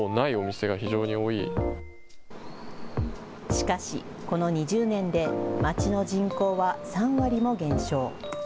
しかし、この２０年で町の人口は３割も減少。